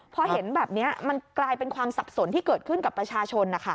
พอเห็นแบบนี้มันกลายเป็นความสับสนที่เกิดขึ้นกับประชาชนนะคะ